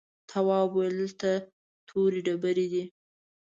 تواب وويل: دلته تورې ډبرې دي.